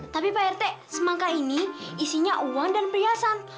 tapi pak rt semangka ini isinya uang dan perhiasan